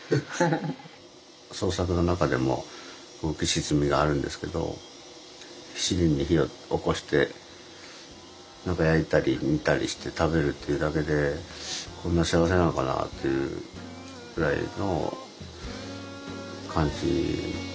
創作の中でも浮き沈みがあるんですけど七輪に火をおこして何か焼いたり煮たりして食べるっていうだけでこんな幸せなのかなっていうぐらいの感じなんですよね。